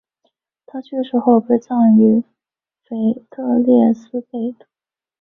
他去世后被葬于腓特烈斯贝的。